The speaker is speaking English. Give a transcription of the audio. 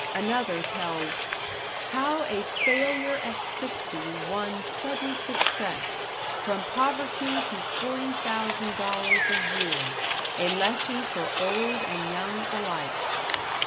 Another tells: "How a Failure at Sixty Won Sudden Success; From Poverty to $40,000 a year a Lesson for Old and Young Alike."